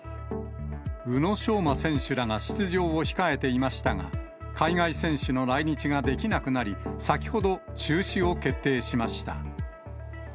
宇野昌磨選手らが出場を控えていましたが、海外選手の来日ができなくなり、先ほど中止を決定しました。